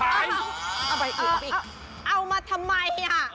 เอามาทำไม